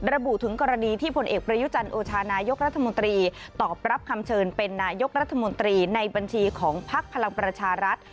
ระบุถึงกรณีที่ผลเอกประยุจันทร์โอชานายกรัฐมนตรีตอบรับคำเชิญเป็นนายกรัฐมนตรีในบัญชีของพักพลังประชารัฐ